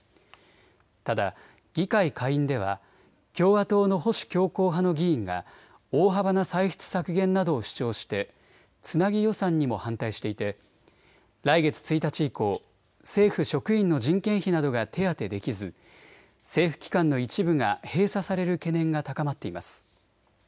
ただ議会下院では共和党の保守強硬派の議員が大幅な歳出削減などを主張してつなぎ予算にも反対していて来月１日以降、政府職員の人件費などが手当てできず政府機関の一部が閉鎖される懸念が高まっています。